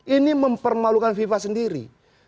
ini mempermalukan viva sendiri